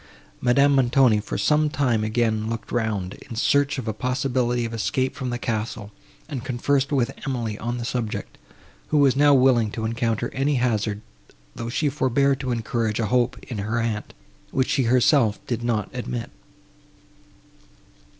Madame Montoni, after some time, again looked round, in search of a possibility of escape from the castle, and conversed with Emily on the subject, who was now willing to encounter any hazard, though she forbore to encourage a hope in her aunt, which she herself did not admit.